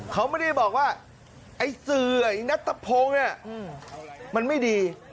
เขามันไม่ได้บอกว่าเสือนัศพงค์มันไม่ดี